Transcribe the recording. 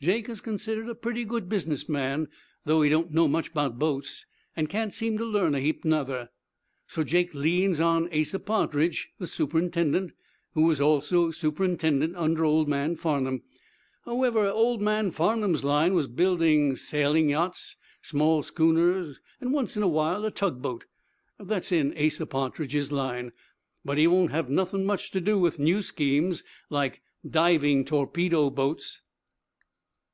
Jake is considered a pretty good business man, though he don't know much 'bout boats, an' can't seem to learn a heap, nuther. So Jake leans on Asa Partridge, the superintendent, who was also superintendent under old man Farnum. However, old man Farnum's line was building sailing yachts, small schooners, and, once in a while, a tug boat. That's in Asa Partridge's line, but he won't have nothin' much to do with new schemes like diving torpedo boats."